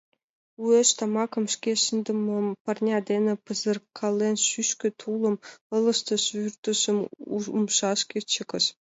Уэш тамакым, шке шындымым, парня дене пызыркален шӱшкӧ, тулым ылыжтыш, вурдыжым умшашкыже чыкыш.